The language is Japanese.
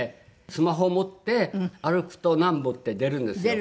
スマホを持って歩くと何歩って出るんですよ